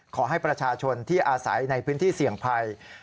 ขอให้ประชาชนที่อาศัยในพื้นที่เสี่ยงภัย